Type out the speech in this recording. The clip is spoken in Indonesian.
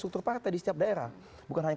struk partai di setiap daerah bukan hanya